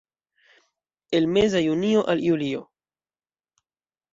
El meza junio al julio.